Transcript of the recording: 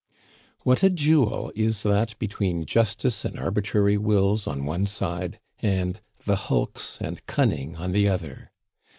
What a duel is that between justice and arbitrary wills on one side and the hulks and cunning on the other!